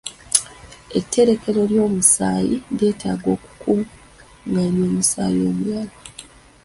Etterekero ly'omusaayi lyetaaga okukungaanya omusaayi omulala.